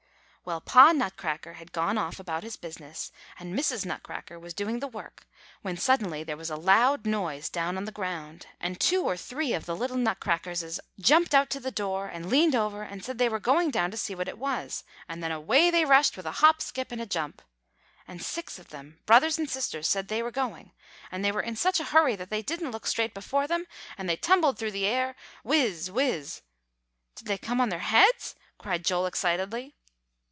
Well, Pa Nutcracker had gone off about his business, and Mrs. Nutcracker was doing the work, when suddenly there was a loud noise down on the ground, and two or three of the little Nutcrackerses jumped out to the door, and leaned over, and said they were going down to see what it was, and then away they rushed with a hop, skip, and a jump. And six of them, brothers and sisters, said they were going; and they were in such a hurry they didn't look straight before them, and they tumbled through the air whiz whiz" "Did they come on their heads?" cried Joel excitedly.